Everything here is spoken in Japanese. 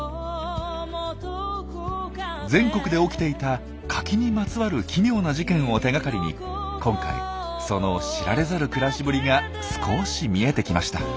全国で起きていたカキにまつわる奇妙な事件を手がかりに今回その知られざる暮らしぶりが少し見えてきました。